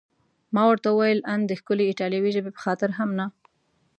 ما ورته وویل: ان د ښکلې ایټالوي ژبې په خاطر هم نه؟